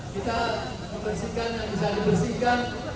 kita bersihkan yang bisa dibersihkan